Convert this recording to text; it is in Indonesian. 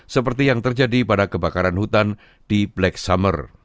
seperti yang terjadi pada kebakaran hutan di black summer